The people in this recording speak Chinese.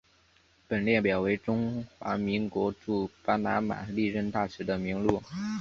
本列表为中华民国驻巴拿马历任大使的名录。